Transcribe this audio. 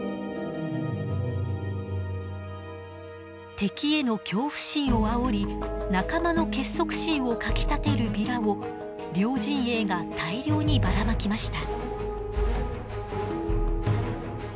敵への恐怖心をあおり仲間の結束心をかきたてるビラを両陣営が大量にばらまきました。